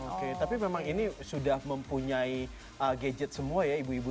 oke tapi memang ini udah mempunyai aget semua ibu ibu